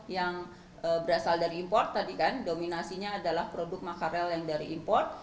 yang berasal dari import tadi kan dominasinya adalah produk makarel yang dari import